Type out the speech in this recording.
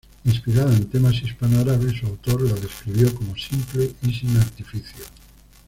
Inspirada en temas hispano-árabes, su autor la describió como simple y sin artificio.